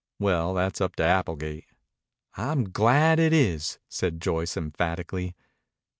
Well, that's up to Applegate." "I'm glad it is," said Joyce emphatically.